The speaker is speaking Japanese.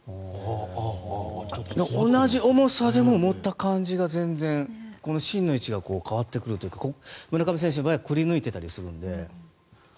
同じ重さでも持った感じが全然、芯の位置が変わってくるというか村上選手の場合は、ここくり抜いていたりするので。